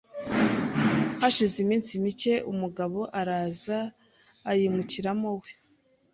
hashize iminsi mike umugabo araza ayimukiramo we